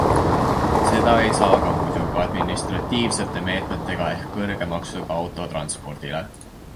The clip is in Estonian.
Seda ei saa aga muidu kui administratiivsete meetmetega ehk kõrge maksuga autotranspordile.